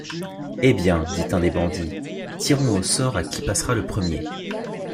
Eh bien, dit un des bandits, tirons au sort à qui passera le premier.